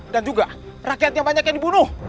dan juga rakyat yang banyak yang dibunuh